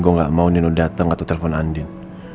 gue gak mau nino dateng atau telepon andin